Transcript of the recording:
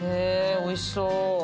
おいしそう。